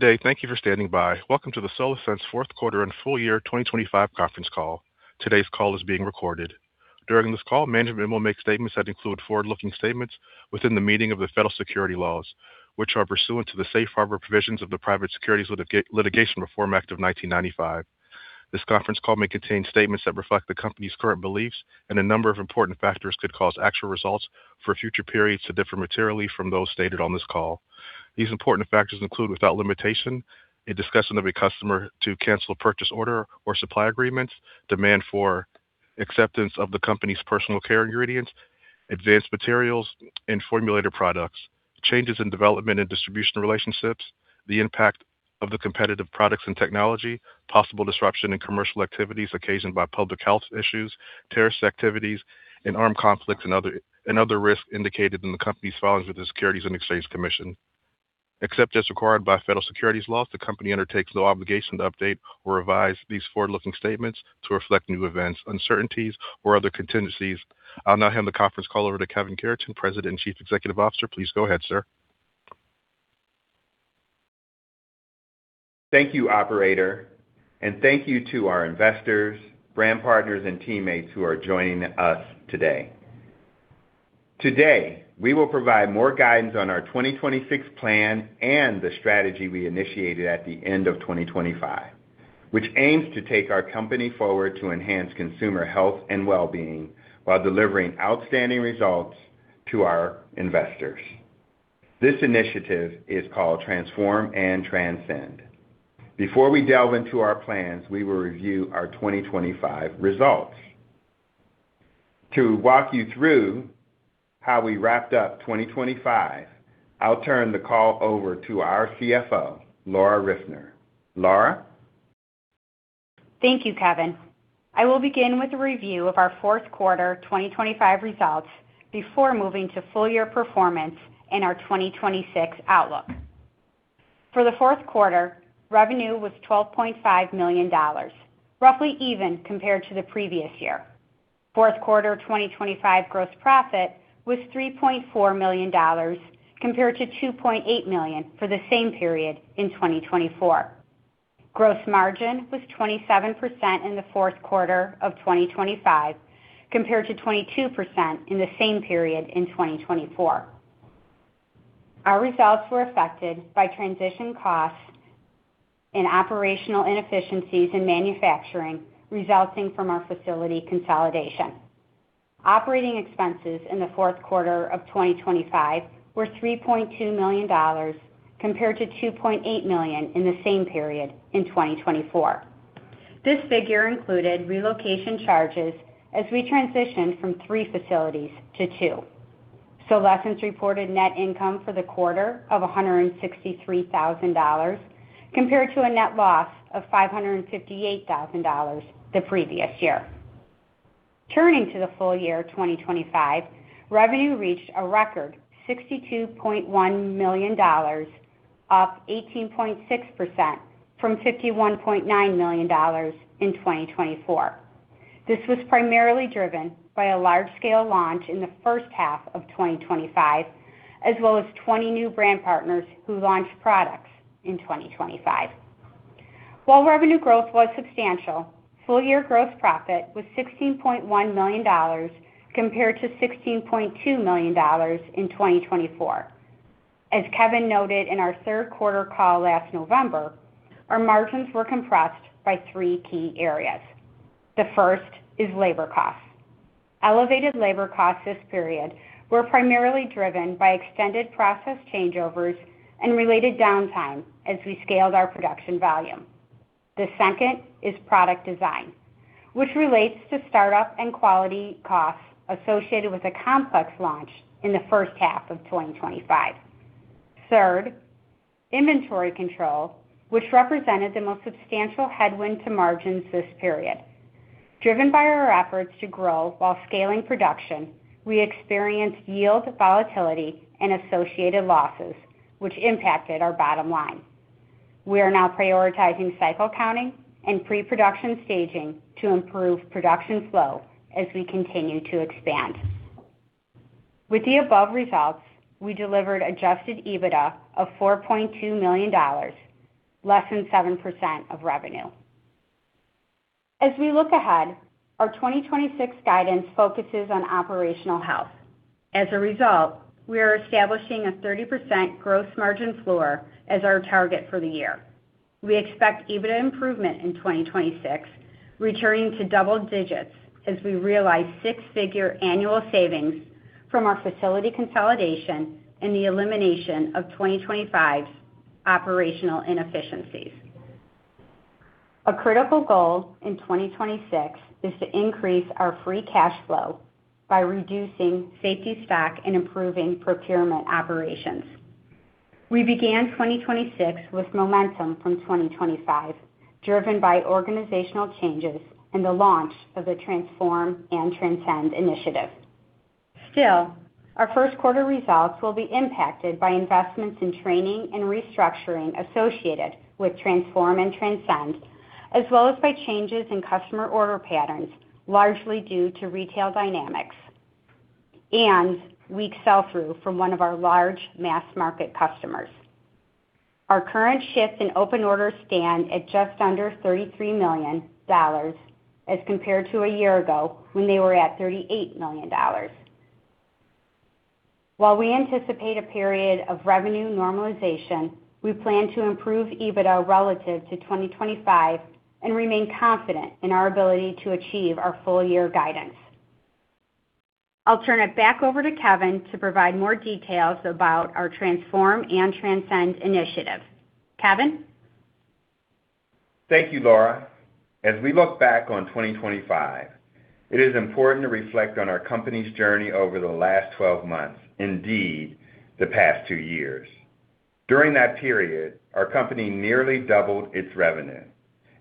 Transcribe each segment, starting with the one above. Good day. Thank you for standing by. Welcome to the Solésence fourth quarter and full year 2025 conference call. Today's call is being recorded. During this call, management will make statements that include forward-looking statements within the meaning of the federal securities laws, which are pursuant to the safe harbor provisions of the Private Securities Litigation Reform Act of 1995. This conference call may contain statements that reflect the company's current beliefs, and a number of important factors could cause actual results for future periods to differ materially from those stated on this call. These important factors include, without limitation, a discussion of a customer to cancel a purchase order or supply agreements, demand for acceptance of the company's personal care ingredients, advanced materials and formulator products, changes in development and distribution relationships, the impact of the competitive products and technology, possible disruption in commercial activities occasioned by public health issues, terrorist activities and armed conflicts, and other risks indicated in the company's filings with the Securities and Exchange Commission. Except as required by federal securities laws, the company undertakes no obligation to update or revise these forward-looking statements to reflect new events, uncertainties, or other contingencies. I'll now hand the conference call over to Kevin Cureton, President and Chief Executive Officer. Please go ahead, sir. Thank you, operator, and thank you to our investors, brand partners and teammates who are joining us today. Today, we will provide more guidance on our 2026 plan and the strategy we initiated at the end of 2025, which aims to take our company forward to enhance consumer health and well-being while delivering outstanding results to our investors. This initiative is called Transform and Transcend. Before we delve into our plans, we will review our 2025 results. To walk you through how we wrapped up 2025, I'll turn the call over to our CFO, Laura Riffner. Laura. Thank you, Kevin. I will begin with a review of our fourth quarter 2025 results before moving to full year performance and our 2026 outlook. For the fourth quarter, revenue was $12.5 million, roughly even compared to the previous year. Fourth quarter 2025 gross profit was $3.4 million compared to $2.8 million for the same period in 2024. Gross margin was 27% in the fourth quarter of 2025 compared to 22% in the same period in 2024. Our results were affected by transition costs and operational inefficiencies in manufacturing resulting from our facility consolidation. Operating expenses in the fourth quarter of 2025 were $3.2 million compared to $2.8 million in the same period in 2024. This figure included relocation charges as we transitioned from three facilities to two. Solésence reported net income for the quarter of $163,000 compared to a net loss of $558,000 the previous year. Turning to the full year of 2025, revenue reached a record $62.1 million, up 18.6% from $51.9 million in 2024. This was primarily driven by a large scale launch in the first half of 2025, as well as 20 new brand partners who launched products in 2025. While revenue growth was substantial, full year gross profit was $16.1 million compared to $16.2 million in 2024. As Kevin noted in our third quarter call last November, our margins were compressed by three key areas. The first is labor costs. Elevated labor costs this period were primarily driven by extended process changeovers and related downtime as we scaled our production volume. The second is product design, which relates to startup and quality costs associated with a complex launch in the first half of 2025. Third, inventory control, which represented the most substantial headwind to margins this period. Driven by our efforts to grow while scaling production, we experienced yield volatility and associated losses, which impacted our bottom line. We are now prioritizing cycle counting and pre-production staging to improve production flow as we continue to expand. With the above results, we delivered adjusted EBITDA of $4.2 million, less than 7% of revenue. As we look ahead, our 2026 guidance focuses on operational health. As a result, we are establishing a 30% gross margin floor as our target for the year. We expect EBITDA improvement in 2026, returning to double digits as we realize six-figure annual savings from our facility consolidation and the elimination of 2025's operational inefficiencies. A critical goal in 2026 is to increase our free cash flow by reducing safety stock and improving procurement operations. We began 2026 with momentum from 2025, driven by organizational changes and the launch of the Transform and Transcend initiative. Still, our first quarter results will be impacted by investments in training and restructuring associated with Transform and Transcend, as well as by changes in customer order patterns, largely due to retail dynamics and weak sell-through from one of our large mass-market customers. Our current shift in open orders stands at just under $33 million as compared to a year ago when they were at $38 million. While we anticipate a period of revenue normalization, we plan to improve EBITDA relative to 2025 and remain confident in our ability to achieve our full year guidance. I'll turn it back over to Kevin to provide more details about our Transform and Transcend initiative. Kevin? Thank you, Laura. As we look back on 2025, it is important to reflect on our company's journey over the last 12 months, indeed the past two years. During that period, our company nearly doubled its revenue.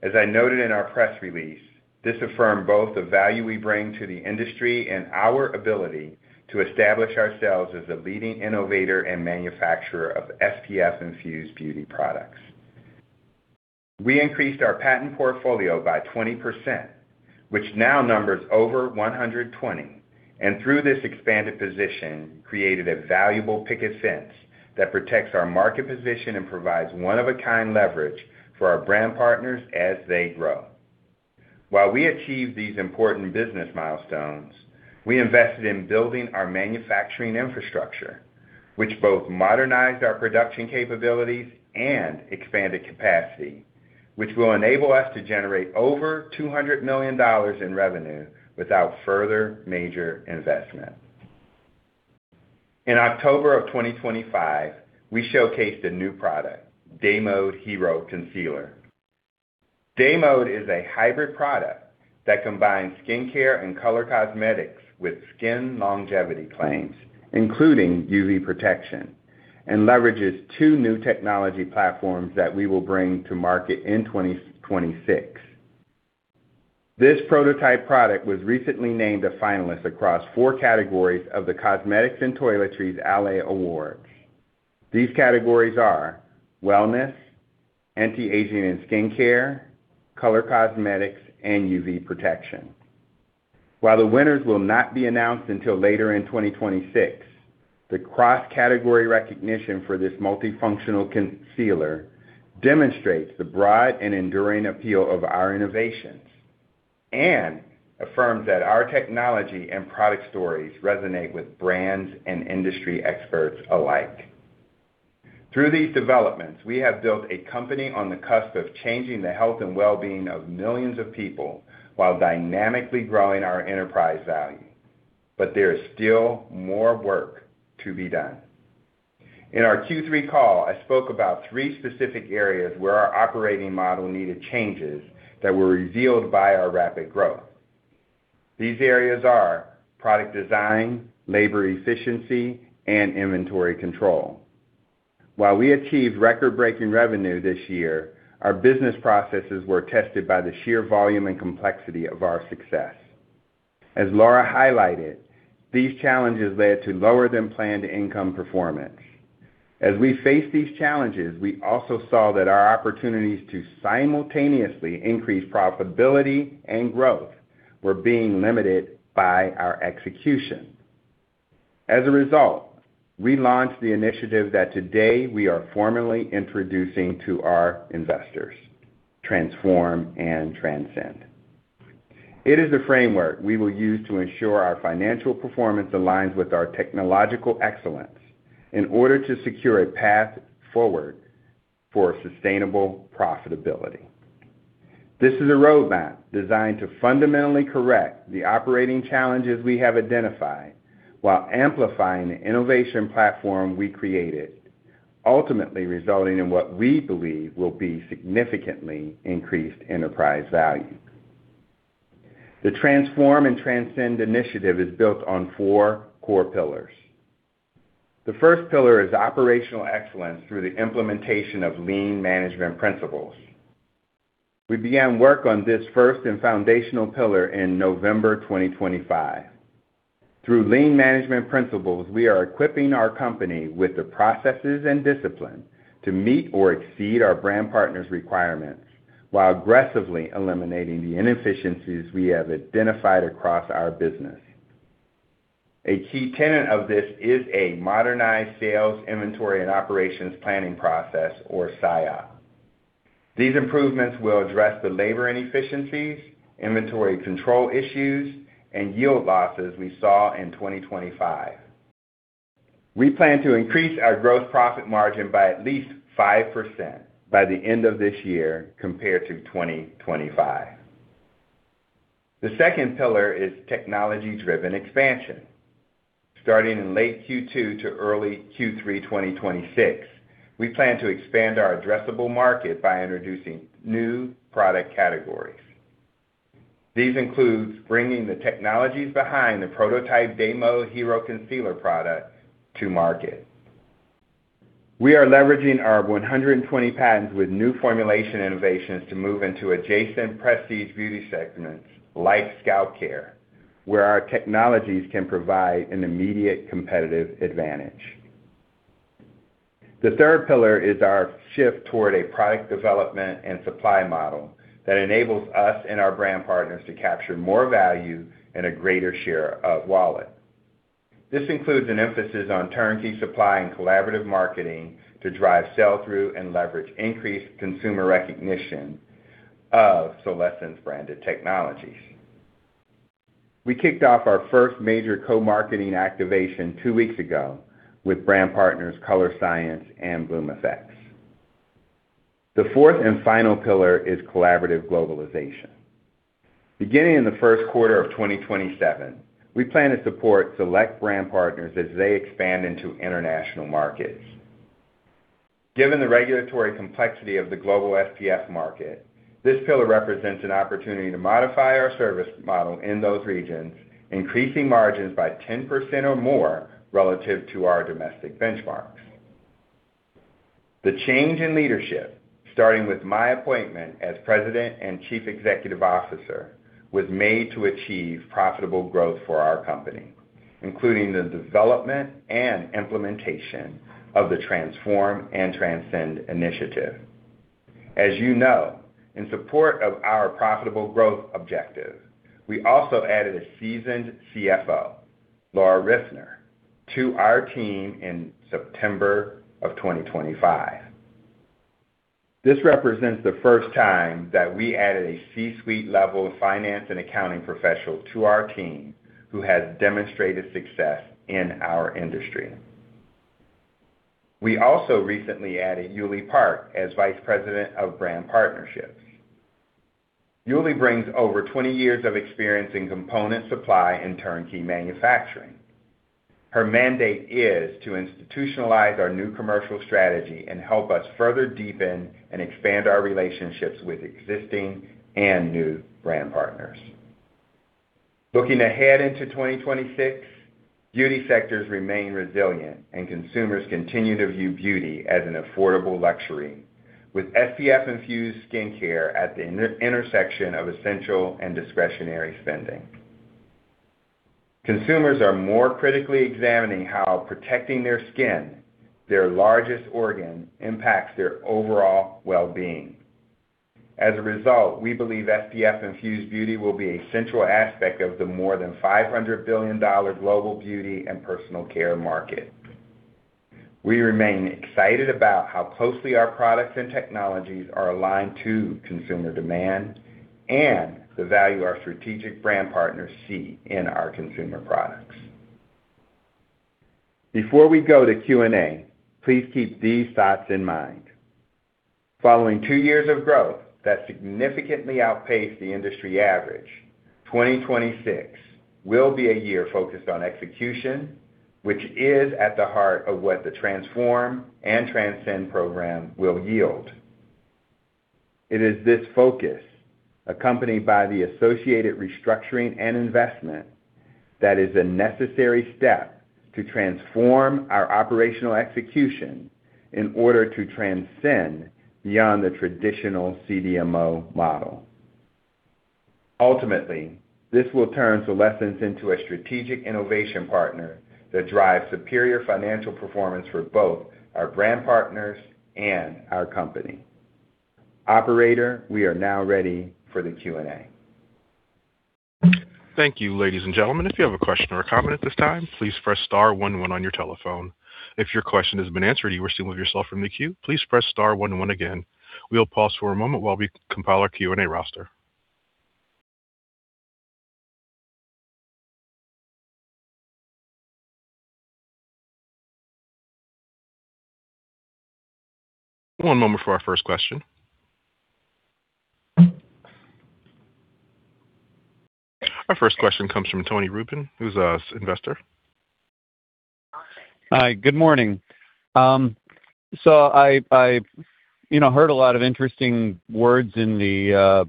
As I noted in our press release, this affirmed both the value we bring to the industry and our ability to establish ourselves as a leading innovator and manufacturer of SPF-infused beauty products. We increased our patent portfolio by 20%, which now numbers over 120, and through this expanded position, created a valuable picket fence that protects our market position and provides one-of-a-kind leverage for our brand partners as they grow. While we achieved these important business milestones, we invested in building our manufacturing infrastructure, which both modernized our production capabilities and expanded capacity, which will enable us to generate over $200 million in revenue without further major investment. In October 2025, we showcased a new product, Day Mode Hero Concealer. Day Mode is a hybrid product that combines skincare and color cosmetics with skin longevity claims, including UV protection, and leverages two new technology platforms that we will bring to market in 2026. This prototype product was recently named a finalist across four categories of the Cosmetics & Toiletries Allē Awards. These categories are wellness, anti-aging and skincare, color cosmetics, and UV protection. While the winners will not be announced until later in 2026, the cross-category recognition for this multifunctional concealer demonstrates the broad and enduring appeal of our innovations and affirms that our technology and product stories resonate with brands and industry experts alike. Through these developments, we have built a company on the cusp of changing the health and well-being of millions of people while dynamically growing our enterprise value. There is still more work to be done. In our Q3 call, I spoke about three specific areas where our operating model needed changes that were revealed by our rapid growth. These areas are product design, labor efficiency, and inventory control. While we achieved record-breaking revenue this year, our business processes were tested by the sheer volume and complexity of our success. As Laura highlighted, these challenges led to lower than planned income performance. As we faced these challenges, we also saw that our opportunities to simultaneously increase profitability and growth were being limited by our execution. As a result, we launched the initiative that today we are formally introducing to our investors, Transform and Transcend. It is the framework we will use to ensure our financial performance aligns with our technological excellence in order to secure a path forward for sustainable profitability. This is a roadmap designed to fundamentally correct the operating challenges we have identified while amplifying the innovation platform we created, ultimately resulting in what we believe will be significantly increased enterprise value. The Transform and Transcend initiative is built on four core pillars. The first pillar is operational excellence through the implementation of lean management principles. We began work on this first and foundational pillar in November 2025. Through lean management principles, we are equipping our company with the processes and discipline to meet or exceed our brand partners' requirements while aggressively eliminating the inefficiencies we have identified across our business. A key tenet of this is a modernized sales, inventory, and operations planning process or SIOP. These improvements will address the labor inefficiencies, inventory control issues, and yield losses we saw in 2025. We plan to increase our growth profit margin by at least 5% by the end of this year compared to 2025. The second pillar is technology-driven expansion. Starting in late Q2 to early Q3 2026, we plan to expand our addressable market by introducing new product categories. These include bringing the technologies behind the prototype Day Mode Hero Concealer product to market. We are leveraging our 120 patents with new formulation innovations to move into adjacent prestige beauty segments like scalp care, where our technologies can provide an immediate competitive advantage. The third pillar is our shift toward a product development and supply model that enables us and our brand partners to capture more value and a greater share of wallet. This includes an emphasis on turnkey supply and collaborative marketing to drive sell-through and leverage increased consumer recognition of Solésence branded technologies. We kicked off our first major co-marketing activation two weeks ago with brand partners Colorescience and Bloomeffects. The fourth and final pillar is collaborative globalization. Beginning in the first quarter of 2027, we plan to support select brand partners as they expand into international markets. Given the regulatory complexity of the global SPF market, this pillar represents an opportunity to modify our service model in those regions, increasing margins by 10% or more relative to our domestic benchmarks. The change in leadership, starting with my appointment as President and Chief Executive Officer, was made to achieve profitable growth for our company, including the development and implementation of the Transform and Transcend initiative. As you know, in support of our profitable growth objective, we also added a seasoned CFO, Laura Riffner, to our team in September 2025. This represents the first time that we added a C-suite level finance and accounting professional to our team who has demonstrated success in our industry. We also recently added Yoolie Park as Vice President of Brand Partnerships. Yoolie brings over 20 years of experience in component supply and turnkey manufacturing. Her mandate is to institutionalize our new commercial strategy and help us further deepen and expand our relationships with existing and new brand partners. Looking ahead into 2026, beauty sectors remain resilient, and consumers continue to view beauty as an affordable luxury, with SPF-infused skincare at the intersection of essential and discretionary spending. Consumers are more critically examining how protecting their skin, their largest organ, impacts their overall well-being. As a result, we believe SPF-infused beauty will be a central aspect of the more than $500 billion global beauty and personal care market. We remain excited about how closely our products and technologies are aligned to consumer demand and the value our strategic brand partners see in our consumer products. Before we go to Q&A, please keep these thoughts in mind. Following two years of growth that significantly outpaced the industry average, 2026 will be a year focused on execution, which is at the heart of what the Transform and Transcend program will yield. It is this focus, accompanied by the associated restructuring and investment, that is a necessary step to transform our operational execution in order to transcend beyond the traditional CDMO model. Ultimately, this will turn Solésence into a strategic innovation partner that drives superior financial performance for both our brand partners and our company. Operator, we are now ready for the Q&A. Thank you ladies and gentlemen our first question comes from Tony Rubin, who's an investor. Hi. Good morning. You know, I heard a lot of interesting words in the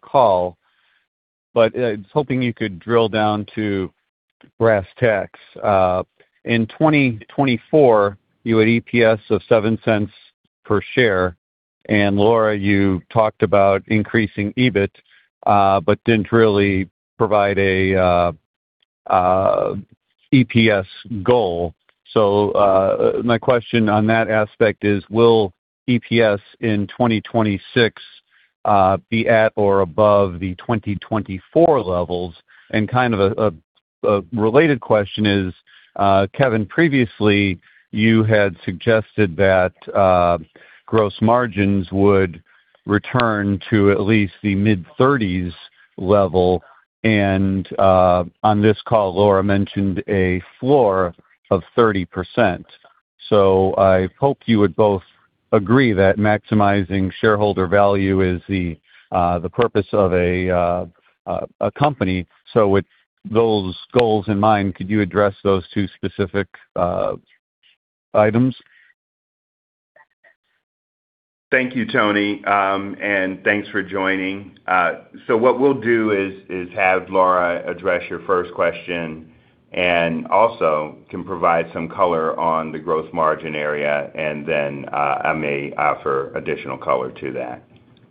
call, but I was hoping you could drill down to brass tacks. In 2024, you had EPS of $0.07 per share. Laura, you talked about increasing EBIT, but didn't really provide a EPS goal. My question on that aspect is, will EPS in 2026 be at or above the 2024 levels? Kind of a related question is, Kevin, previously, you had suggested that gross margins would return to at least the mid-thirties level. On this call, Laura mentioned a floor of 30%. I hope you would both agree that maximizing shareholder value is the purpose of a company. With those goals in mind, could you address those two specific items? Thank you, Tony, and thanks for joining. What we'll do is have Laura address your first question and also can provide some color on the gross margin area, and then, I may offer additional color to that.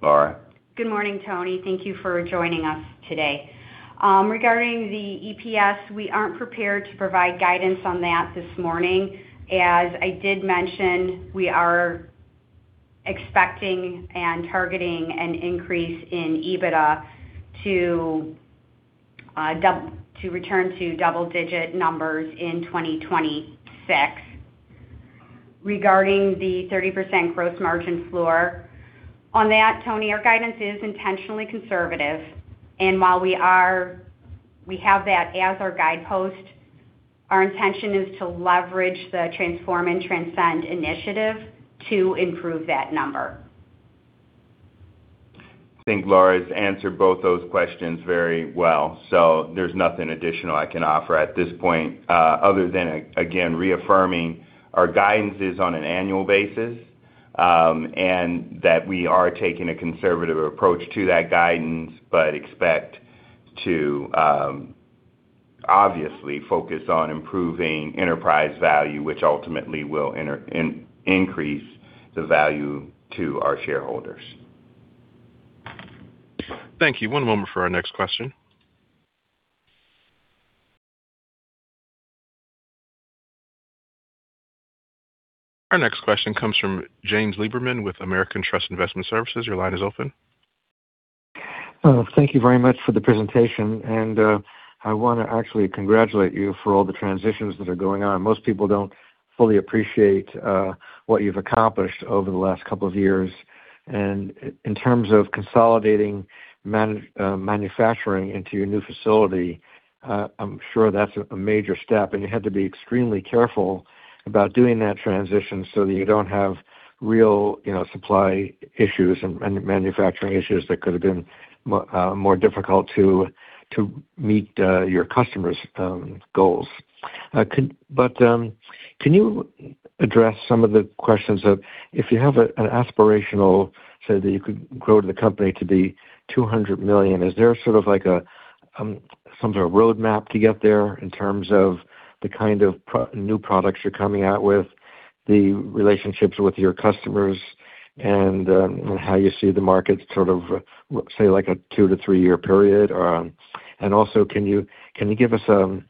Laura? Good morning, Tony. Thank you for joining us today. Regarding the EPS, we aren't prepared to provide guidance on that this morning. As I did mention, we are expecting and targeting an increase in EBITDA to return to double-digit numbers in 2026. Regarding the 30% gross margin floor, on that, Tony, our guidance is intentionally conservative. While we have that as our guidepost, our intention is to leverage the Transform and Transcend initiative to improve that number. I think Laura's answered both those questions very well, so there's nothing additional I can offer at this point, other than again, reaffirming our guidance is on an annual basis, and that we are taking a conservative approach to that guidance, but expect to obviously focus on improving enterprise value, which ultimately will increase the value to our shareholders. Thank you. One moment for our next question. Our next question comes from James Liberman with American Trust Investment Services. Your line is open. Thank you very much for the presentation. I wanna actually congratulate you for all the transitions that are going on. Most people don't fully appreciate what you've accomplished over the last couple of years. In terms of consolidating manufacturing into your new facility, I'm sure that's a major step, and you had to be extremely careful about doing that transition so that you don't have real, you know, supply issues and manufacturing issues that could have been more difficult to meet your customers' goals. Can you address some of the questions of if you have an aspirational say that you could grow the company to be $200 million, is there sort of like a some sort of roadmap to get there in terms of the kind of new products you're coming out with, the relationships with your customers and how you see the market sort of, say, like a two to three year period? Or, and also, can you give us an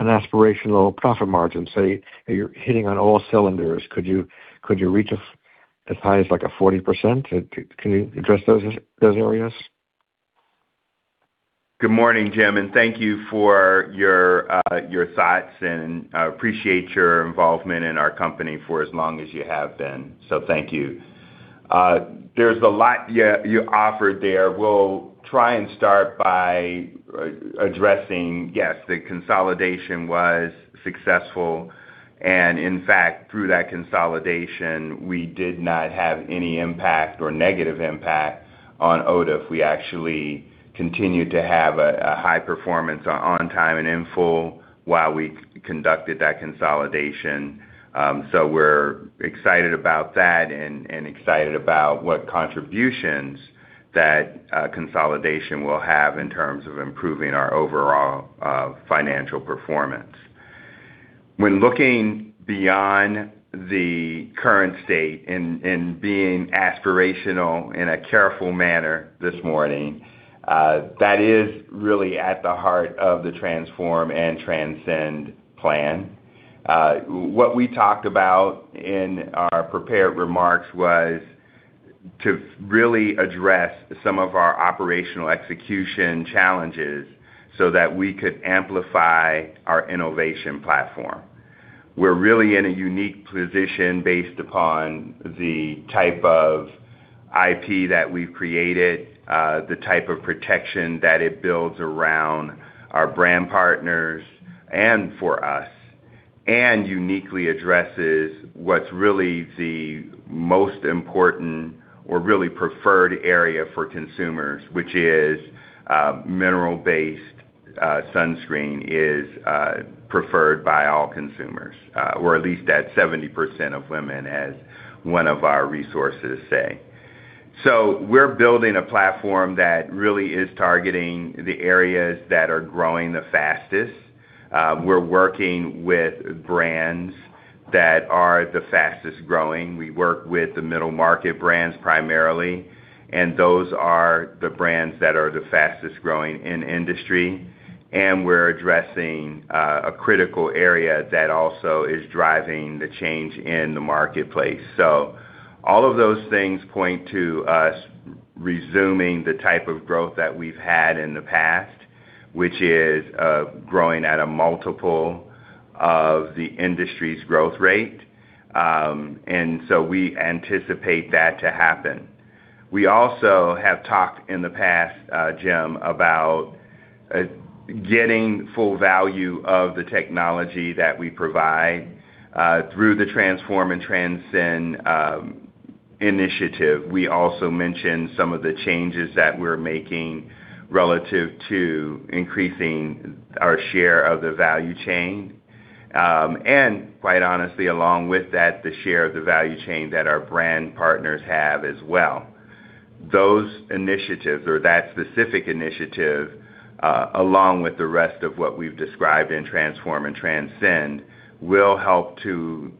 aspirational profit margin? Say, you're hitting on all cylinders, could you reach as high as, like, a 40%? Can you address those areas? Good morning, Jim, and thank you for your thoughts and appreciate your involvement in our company for as long as you have been. Thank you. There's a lot you offered there. We'll try and start by addressing, yes, the consolidation was successful. In fact, through that consolidation, we did not have any impact or negative impact on OTIF. We actually continued to have a high performance on time and in full while we conducted that consolidation. We're excited about that and excited about what contributions that consolidation will have in terms of improving our overall financial performance. When looking beyond the current state and being aspirational in a careful manner this morning, that is really at the heart of the Transform and Transcend plan. What we talked about in our prepared remarks was to really address some of our operational execution challenges so that we could amplify our innovation platform. We're really in a unique position based upon the type of IP that we've created, the type of protection that it builds around our brand partners and for us, and uniquely addresses what's really the most important or really preferred area for consumers, which is, mineral-based, sunscreen is, preferred by all consumers, or at least that 70% of women as one of our resources say. We're building a platform that really is targeting the areas that are growing the fastest. We're working with brands that are the fastest-growing. We work with the middle-market brands primarily, and those are the brands that are the fastest-growing in industry. We're addressing a critical area that also is driving the change in the marketplace. All of those things point to us resuming the type of growth that we've had in the past, which is growing at a multiple of the industry's growth rate. We anticipate that to happen. We also have talked in the past, Jim, about getting full value of the technology that we provide through the Transform and Transcend initiative. We also mentioned some of the changes that we're making relative to increasing our share of the value chain. Quite honestly, along with that, the share of the value chain that our brand partners have as well. Those initiatives or that specific initiative, along with the rest of what we've described in Transform and Transcend, will help to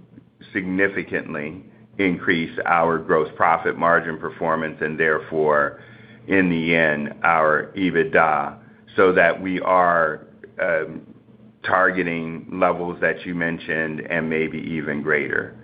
significantly increase our gross profit margin performance and therefore in the end, our EBITDA, so that we are targeting levels that you mentioned and maybe even greater.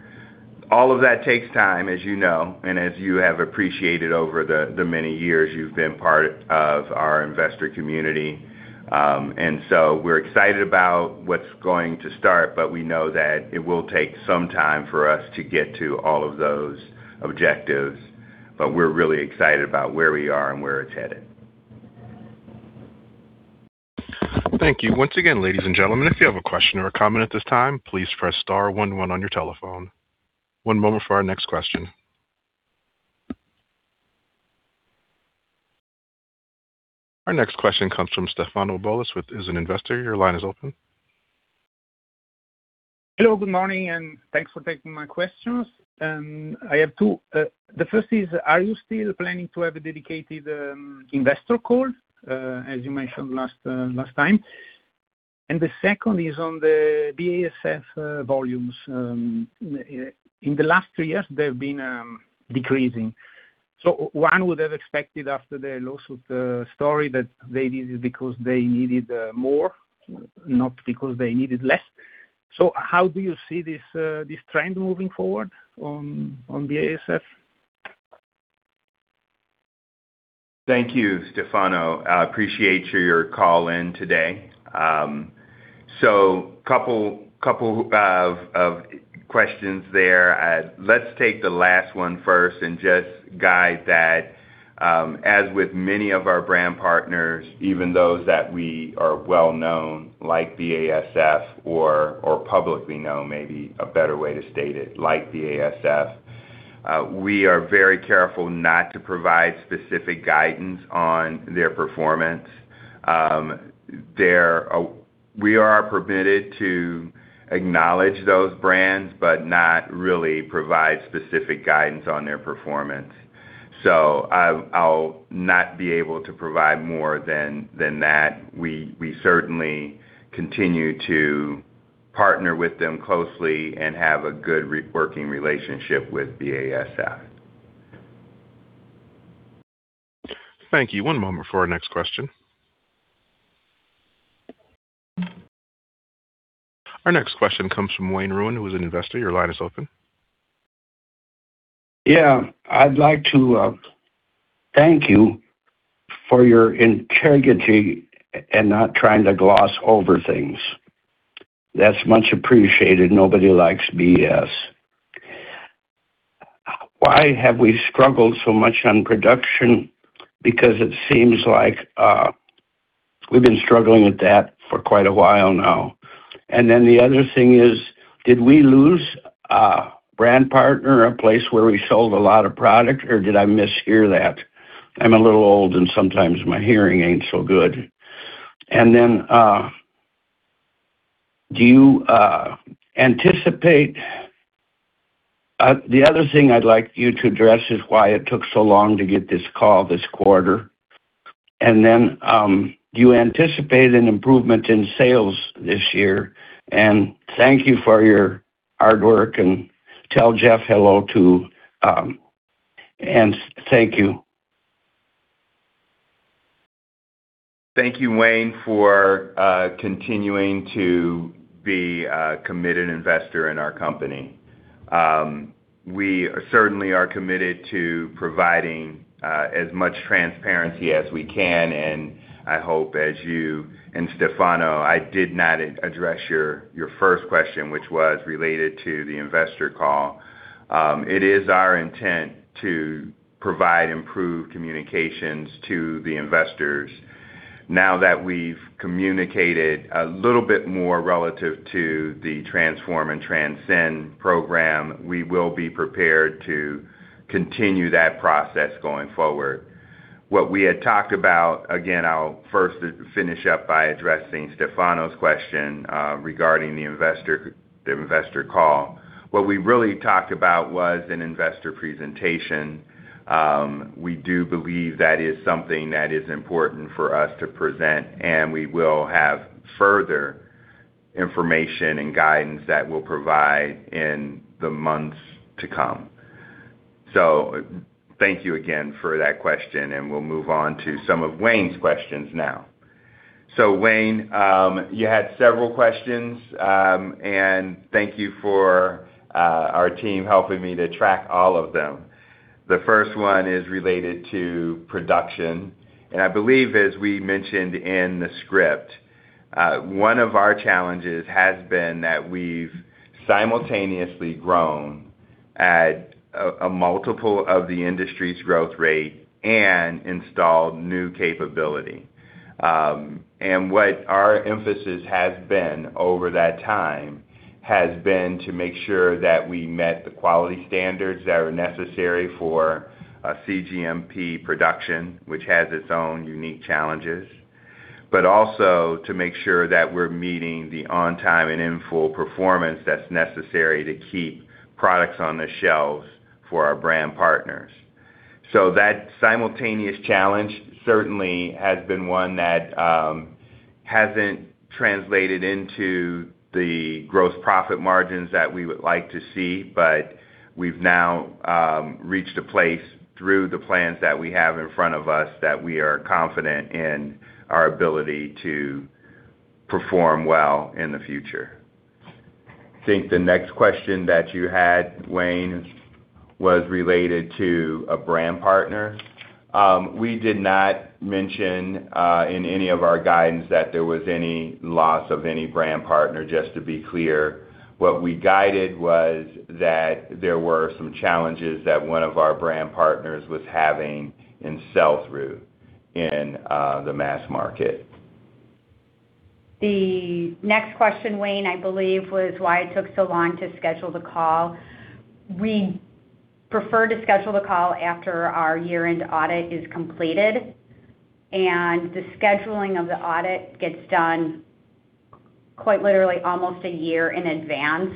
All of that takes time, as you know, and as you have appreciated over the many years you've been part of our investor community. We're excited about what's going to start, but we know that it will take some time for us to get to all of those objectives. We're really excited about where we are and where it's headed. Thank you. Once again, ladies and gentlemen, if you have a question or a comment at this time, please press star one one on your telephone. One moment for our next question. Our next question comes from Stefano Bolis who is an Investor. Your line is open. Hello, good morning, and thanks for taking my questions. I have two. The first is, are you still planning to have a dedicated investor call, as you mentioned last time? The second is on the BASF volumes. In the last three years, they've been decreasing. One would have expected after the lawsuit story that they needed more, not because they needed less. How do you see this trend moving forward on BASF? Thank you, Stefano. I appreciate your call in today. Couple of questions there. Let's take the last one first and just guide that. As with many of our brand partners, even those that we are well known, like BASF or publicly known may be a better way to state it, like BASF, we are very careful not to provide specific guidance on their performance. We are permitted to acknowledge those brands, but not really provide specific guidance on their performance. I'll not be able to provide more than that. We certainly continue to partner with them closely and have a good working relationship with BASF. Thank you. One moment for our next question. Our next question comes from Wayne Ruin, who is an investor. Your line is open. Yeah, I'd like to thank you for your integrity and not trying to gloss over things. That's much appreciated. Nobody likes BS. Why have we struggled so much on production? Because it seems like we've been struggling with that for quite a while now. The other thing is, did we lose a brand partner, a place where we sold a lot of product, or did I mishear that? I'm a little old and sometimes my hearing ain't so good. The other thing I'd like you to address is why it took so long to get this call this quarter. Do you anticipate an improvement in sales this year? Thank you for your hard work, and tell Jeff hello too, and thank you. Thank you, Wayne, for continuing to be a committed investor in our company. We certainly are committed to providing as much transparency as we can, and I hope as you and Stefano, I did not address your first question, which was related to the investor call. It is our intent to provide improved communications to the investors. Now that we've communicated a little bit more relative to the Transform and Transcend program, we will be prepared to continue that process going forward. What we had talked about, again, I'll first finish up by addressing Stefano's question regarding the investor call. What we really talked about was an investor presentation. We do believe that is something that is important for us to present, and we will have further information and guidance that we'll provide in the months to come. Thank you again for that question, and we'll move on to some of Wayne's questions now. Wayne, you had several questions, and thank you for our team helping me to track all of them. The first one is related to production, and I believe as we mentioned in the script, one of our challenges has been that we've simultaneously grown at a multiple of the industry's growth rate and installed new capability. What our emphasis has been over that time has been to make sure that we met the quality standards that are necessary for a cGMP production, which has its own unique challenges. Also to make sure that we're meeting the on time and in full performance that's necessary to keep products on the shelves for our brand partners. That simultaneous challenge certainly has been one that hasn't translated into the gross profit margins that we would like to see, but we've now reached a place through the plans that we have in front of us that we are confident in our ability to perform well in the future. I think the next question that you had, Wayne, was related to a brand partner. We did not mention in any of our guidance that there was any loss of any brand partner, just to be clear. What we guided was that there were some challenges that one of our brand partners was having in sell-through in the mass market. The next question, Wayne, I believe, was why it took so long to schedule the call. We prefer to schedule the call after our year-end audit is completed, and the scheduling of the audit gets done quite literally almost a year in advance.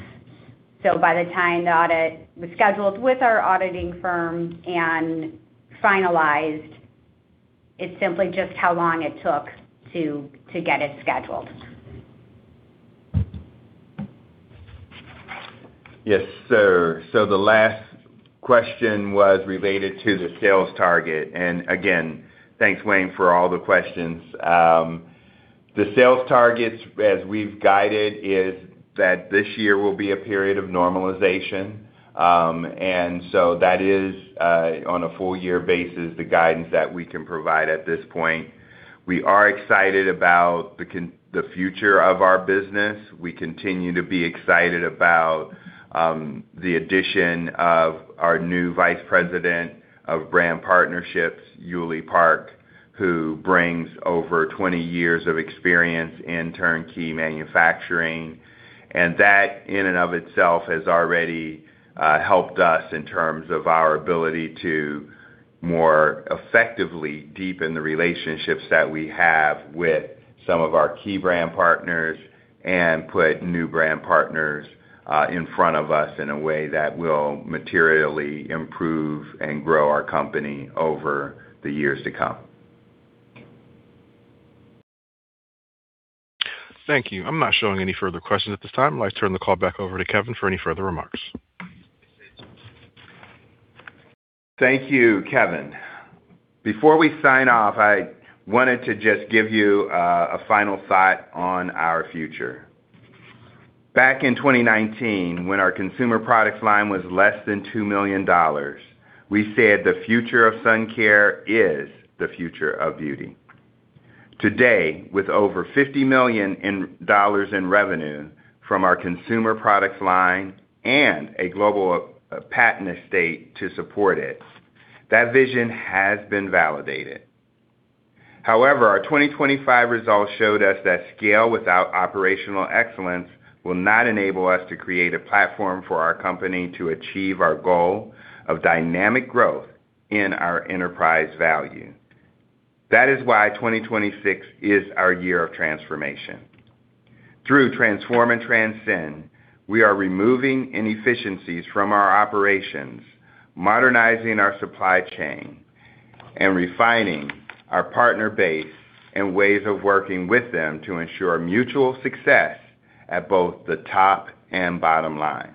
By the time the audit was scheduled with our auditing firm and finalized, it's simply just how long it took to get it scheduled. Yes, sir. The last question was related to the sales target. Again, thanks, Wayne, for all the questions. The sales targets, as we've guided, is that this year will be a period of normalization. That is, on a full year basis, the guidance that we can provide at this point. We are excited about the future of our business. We continue to be excited about the addition of our new Vice President of Brand Partnerships, Yoolie Park, who brings over 20 years of experience in turnkey manufacturing. That in and of itself has already helped us in terms of our ability to more effectively deepen the relationships that we have with some of our key brand partners and put new brand partners in front of us in a way that will materially improve and grow our company over the years to come. Thank you. I'm not showing any further questions at this time. I'd like to turn the call back over to Kevin for any further remarks. Thank you, Kevin. Before we sign off, I wanted to just give you a final thought on our future. Back in 2019, when our consumer products line was less than $2 million, we said the future of sun care is the future of beauty. Today, with over $50 million in revenue from our consumer products line and a global patent estate to support it, that vision has been validated. However, our 2025 results showed us that scale without operational excellence will not enable us to create a platform for our company to achieve our goal of dynamic growth in our enterprise value. That is why 2026 is our year of transformation. Through Transform and Transcend, we are removing inefficiencies from our operations, modernizing our supply chain, and refining our partner base and ways of working with them to ensure mutual success at both the top and bottom lines.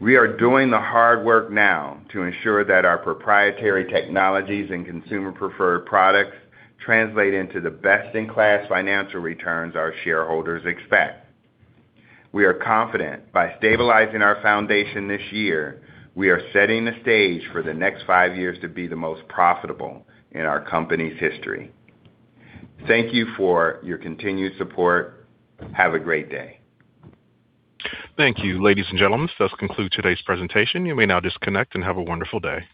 We are doing the hard work now to ensure that our proprietary technologies and consumer preferred products translate into the best-in-class financial returns our shareholders expect. We are confident by stabilizing our foundation this year, we are setting the stage for the next five years to be the most profitable in our company's history. Thank you for your continued support. Have a great day. Thank you. Ladies and gentlemen, this does conclude today's presentation. You may now disconnect and have a wonderful day.